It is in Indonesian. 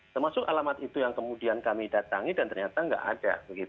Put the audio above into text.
termasuk alamat itu yang kemudian kami datangi dan ternyata nggak ada